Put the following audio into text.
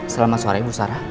selamat sore ibu sarah